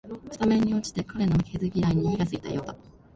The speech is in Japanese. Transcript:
スタメン落ちして彼の負けず嫌いに火がついたようだ